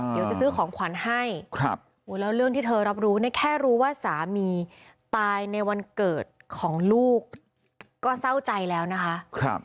เดี๋ยวจะซื้อของขวัญให้แล้วเรื่องที่เธอรับรู้เนี่ยแค่รู้ว่าสามีตายในวันเกิดของลูกก็เศร้าใจแล้วนะคะ